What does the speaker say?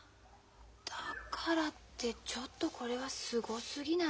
だからってちょっとこれはすごすぎない？